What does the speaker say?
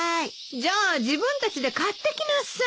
じゃあ自分たちで買ってきなさい。